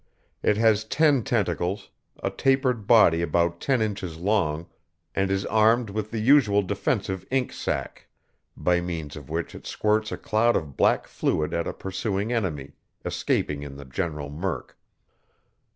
It has ten tentacles, a tapered body about ten inches long, and is armed with the usual defensive ink sac, by means of which it squirts a cloud of black fluid at a pursuing enemy, escaping in the general murk.